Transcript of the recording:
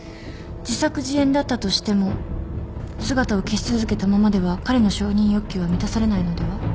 自作自演だったとしても姿を消し続けたままでは彼の承認欲求は満たされないのでは？